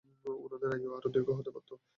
উনাদের আয়ু আরো দীর্ঘ হতে পারতো।